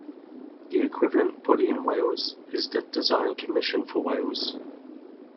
The equivalent body in Wales is the Design Commission For Wales.